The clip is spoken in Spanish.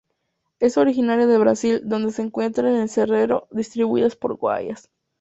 Es originaria de Brasil donde se encuentra en el Cerrado, distribuidas por Goiás.